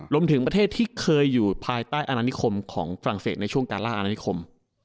รวมถึงประเทศที่เคยอยู่ภายใต้อนานิคมของฝรั่งเศสในช่วงการล่าอาณานิคม